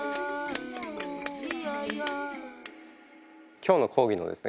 今日の講義のですね